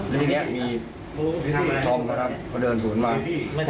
แล้วที่เนี้ยมีทองครับเขาเดินสูงมาก